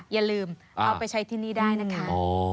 อย่าลืมเอาไปใช้ที่นี่ได้นะคะ